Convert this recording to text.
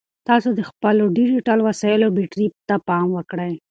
تاسو د خپلو ډیجیټل وسایلو بیټرۍ ته پام وکړئ.